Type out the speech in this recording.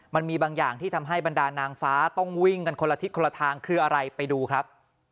มันมีบางอย่างที่ทำให้บรรดานางฟ้าต้องวิ่งกันคนละทิศคนละทางคืออะไรไปดูครับ